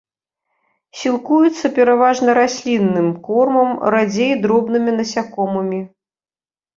Сілкуецца пераважна раслінным кормам, радзей дробнымі насякомымі.